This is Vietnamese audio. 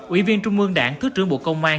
ủy viên trung mương đảng thứ trưởng bộ công an